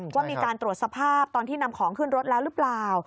ว่ามีการตรวจสภาพตอนที่นำของขึ้นรถแล้วหรือเปล่า